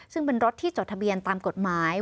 ซึ่งเป็นรถที่จดทะเบียนตามกฎหมาย